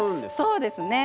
そうですね。